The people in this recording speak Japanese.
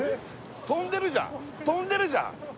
跳んでるじゃん跳んでるじゃん！